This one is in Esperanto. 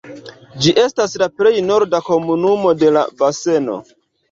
Ĝi estas la plej norda komunumo de la baseno.